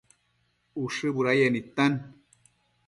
Ushë budayec nidtan